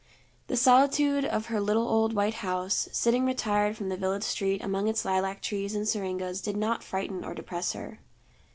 The solitude of her little old white house, sitting retired from the village street among its lilac trees and syringas did not frighten or depress her.